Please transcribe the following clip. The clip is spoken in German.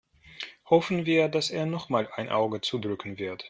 Hoffen wir, dass er nochmal ein Auge zudrücken wird.